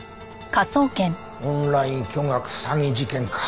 「オンライン巨額詐欺事件」か。